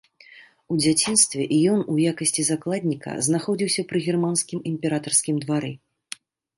У дзяцінстве ён у якасці закладніка знаходзіўся пры германскім імператарскім двары.